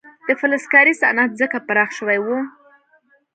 د فلزکارۍ صنعت ځکه پراخ شوی و.